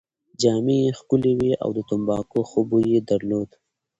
جامې يې ښکلې وې او د تمباکو ښه بوی يې درلود.